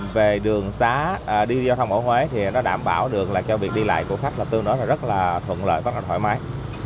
về đường xá đi giao thông ở huế thì nó đảm bảo được là cho việc đi lại của khách là tương đối là rất là thuận lợi rất là thoải mái